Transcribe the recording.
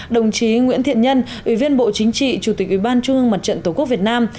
đồng chí nguyễn thiện nhân ủy viên bộ chính trị chủ tịch ủy ban trung ương mặt trận tổ quốc việt nam